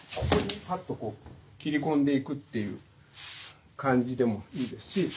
ここにパッとこう切り込んでいくという感じでもいいですし